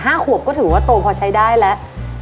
ขวบก็ถือว่าโตพอใช้ได้แล้ว